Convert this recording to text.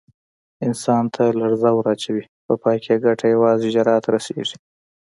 انسان ته لړزه ور اچوي، په پای کې یې ګټه یوازې جراح ته رسېږي.